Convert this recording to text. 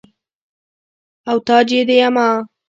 او تاج يي ديما